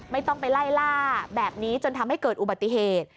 ไม่ต้องไปไล่ล่าแบบนี้จนทำให้เกิดอุบัติเหตุ